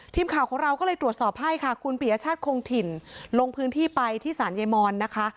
ทีมข่าวของเราก็เลยตรวจสอบให้ค่ะคุณปียชาติคงถิ่นลงพื้นที่ไปที่ศาลยายมอนนะคะ